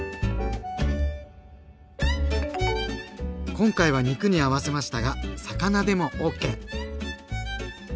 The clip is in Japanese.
今回は肉に合わせましたが魚でもＯＫ。